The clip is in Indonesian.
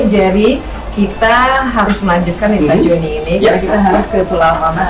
jadi kita harus jawab betul